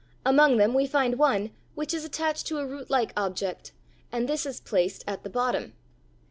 Among them we find one which is attached to a rootlike object, and this is placed at the bottom.